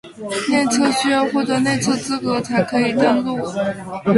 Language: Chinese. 内测需要获得内测资格才可以登录